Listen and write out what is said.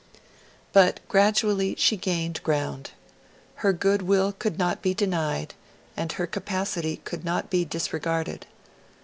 But gradually she gained ground. Her good will could not be denied, and her capacity could not be disregarded.